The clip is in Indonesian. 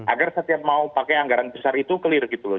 agar setiap mau pakai anggaran besar itu clear gitu loh